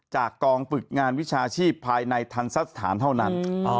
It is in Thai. จากกองฝึกงานวิชาชีพภายในทันทรสถานเท่านั้น